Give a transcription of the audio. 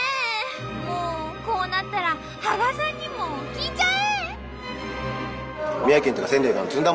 もうこうなったら芳賀さんにも聞いちゃえ！